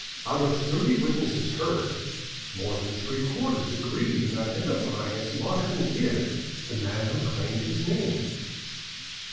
Out of thirty witnesses heard, more than three quarters agreed in identifying as Martin Guerre the man who claimed his name.